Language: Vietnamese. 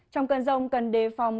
trong cơn rông cần đề phòng